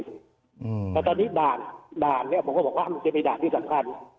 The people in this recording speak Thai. แต่ตอนนี้ด่านเนี่ยผมก็บอกว่ามันจะมีด่านที่สำคัญ